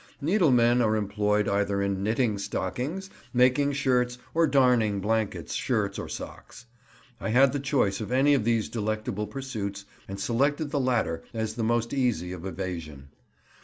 Needlemen are employed either in knitting stockings, making shirts, or darning blankets, shirts, or socks. I had the choice of any of these delectable pursuits, and selected the latter as the most easy of evasion.